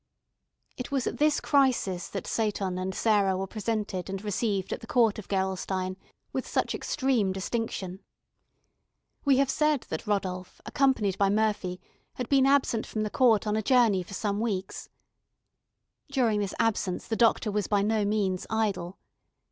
It was at this crisis that Seyton and Sarah were presented and received at the court of Gerolstein with such extreme distinction. We have said that Rodolph, accompanied by Murphy, had been absent from the court on a journey for some weeks. During this absence the doctor was by no means idle.